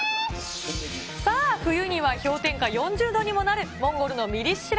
さあ、冬には氷点下４０度にもなるモンゴルのミリ知ら